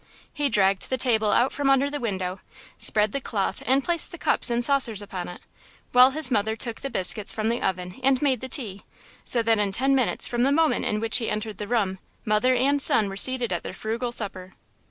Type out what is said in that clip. He dragged the table out from under the window, spread the cloth and placed the cups and saucers upon it, while his mother took the biscuits from the oven and made the tea; so that in ten minutes from the moment in which he entered the room, mother and son were seated at their frugal supper.